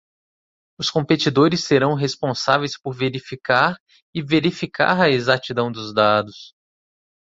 Os competidores serão responsáveis por verificar e verificar a exatidão dos dados.